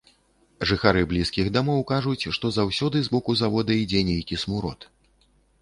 Жыхары блізкіх дамоў кажуць, што заўсёды з боку завода ідзе нейкі смурод.